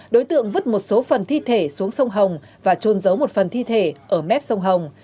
đối tượng vứt một số phần thi thể xuống sông hồng và trôn giấu một phần thi thể ở mép sông hồng